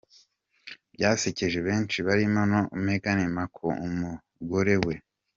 Byasekeje benshi barimo na Meghan Markle, umugore we.